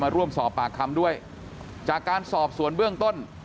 ร่วมสอบปากคำด้วยจากการสอบสวนเบื้องต้น